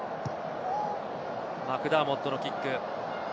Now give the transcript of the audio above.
マクダーモットのキック。